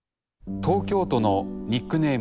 東京都のニックネーム